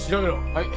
はい。